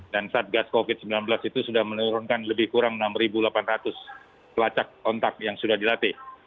dan saat gas covid sembilan belas itu sudah menurunkan lebih kurang enam delapan ratus pelacak kontak yang sudah dilatih